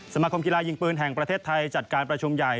สมาคมกีฬายิงปืนแห่งประเทศไทยจัดการประชุมใหญ่